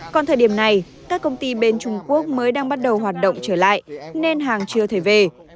còn thời điểm này các công ty bên trung quốc mới đang bắt đầu hoạt động trở lại nên hàng chưa thể về